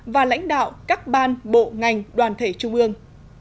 và lãnh đạo các ban bộ ngành đoàn thể trung ương